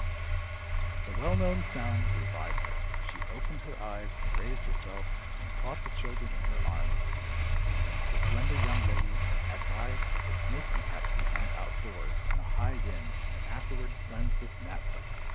The well known sounds revived her. She opened her eyes, raised herself, and caught the children in her arms. The slender young lady advised that the smoking cap be hung out doors in a high wind, and afterward cleansed with naphtha.